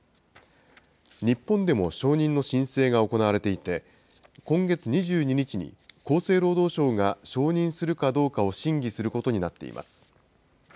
日本でも承認の申請が行われていて、今月２２日に、厚生労働省が承認するかどうかを審議することになっています。